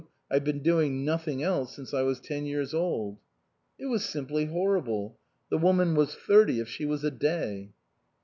I've been doing nothing else since I was ten years old." It was simply horrible. The woman was thirty if she was a day.